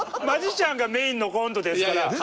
マジシャンがメインのコントですから。